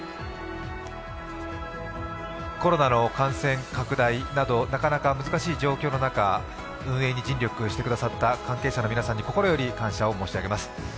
コロナの感染拡大などなかなか、難しい状況の中運営に尽力してくださった関係者の皆様に心から感謝を申し上げます。